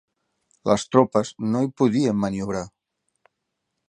Les tropes no hi podien maniobrar.